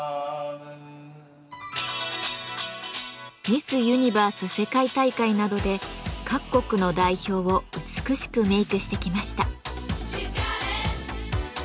ミス・ユニバース世界大会などで各国の代表を美しくメークしてきました。